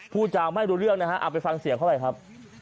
พูดจาไม่รู้เรื่องนะฮะเอาไปฟังเสียงเขาหน่อยครับ